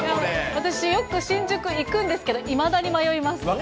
私、よく新宿行くんですけど、いまだに迷います。